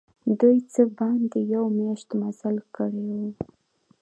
دوی څه باندي یوه میاشت مزل کړی وو.